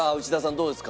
どうですか？